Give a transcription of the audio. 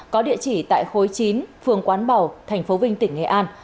có địa chỉ tại khối chín phường quán bầu tp vinh tỉnh nghệ an